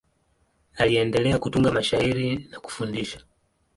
Aliendelea kutunga mashairi na kufundisha.